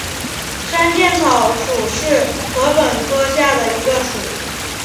山涧草属是禾本科下的一个属。